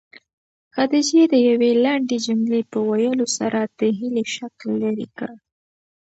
خدیجې د یوې لنډې جملې په ویلو سره د هیلې شک لیرې کړ.